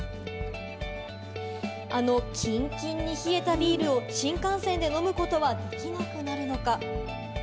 あのキンキンに冷えたビールを新幹線で飲むことはできなくなるのか？